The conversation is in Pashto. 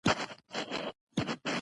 په دې وخت کې د صمد پلار